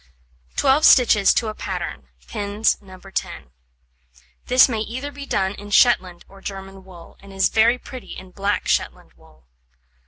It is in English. Twelve stitches to a pattern, pins No. 10. This may either be done in Shetland or German wool, and is very pretty in black Shetland wool.